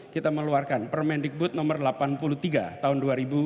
kita mengeluarkan permendikbud nomor delapan puluh tiga tahun dua ribu enam belas